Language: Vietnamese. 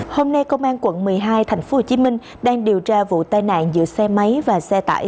hôm nay công an quận một mươi hai tp hcm đang điều tra vụ tai nạn giữa xe máy và xe tải